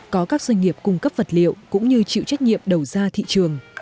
có các doanh nghiệp cung cấp vật liệu cũng như chịu trách nhiệm đầu ra thị trường